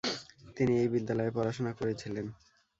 তিনি এই বিদ্যালয়ে পড়াশোনা করেছিলেন।